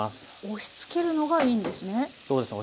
押しつけるのがいいんですね。